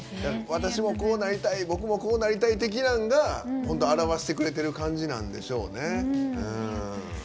私もこうなりたい僕もこうなりたいを本当、表してくれる感じなんでしょうね。